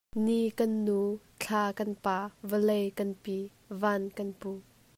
Ni kan nu, thla kan pa, vawlei kan pi, van kan pu.